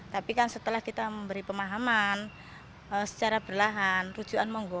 tapi kan setelah kita memberi pemahaman secara berlahan rujuan monggo